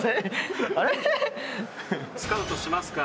スカウトしますか？